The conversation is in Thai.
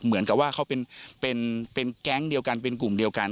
เหมือนกับว่าเขาเป็นแก๊งเดียวกันเป็นกลุ่มเดียวกัน